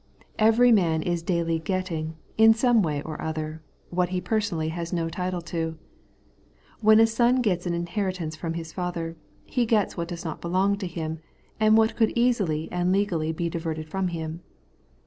Every man is daily getting, in some way or other, what he per sonally has no title to. When a son gets an inheritance from his father, he gets what does not belong to him, and what could easily and legally be diverted from him.